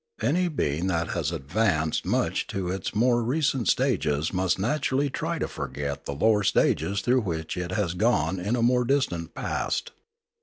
Any being that has advanced much in its more recent stages must naturally try to forget the lower stages through which it has gone in a more distant past.